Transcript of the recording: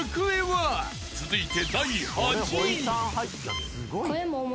［続いて］